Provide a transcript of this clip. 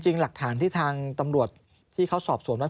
หลักฐานที่ทางตำรวจที่เขาสอบสวนว่า